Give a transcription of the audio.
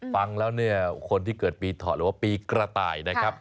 ฟังแล้วคนที่เกิดปีทอหรือว่าปีกระต่ายนะครับ